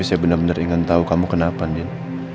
selamat sore ibu andin